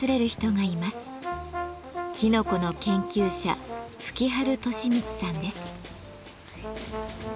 きのこの研究者吹春俊光さんです。